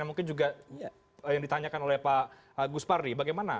mungkin juga yang ditanyakan oleh pak gus pardi bagaimana